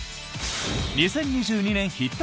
２０２２年ヒット